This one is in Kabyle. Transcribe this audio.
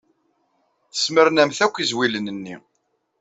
Tesmernamt akk izwilen-nni.